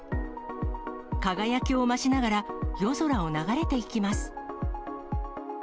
輝きを増しながら、夜空を流れていきます。